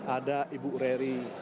ada ibu rery